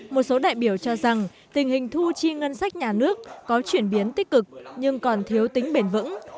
một số đại biểu cho rằng tình hình thu chi ngân sách nhà nước có chuyển biến tích cực nhưng còn thiếu tính bền vững